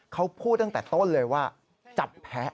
เขาพูดตั้งแต่ต้นเลยว่าจับแพ้